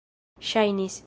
ŝajnis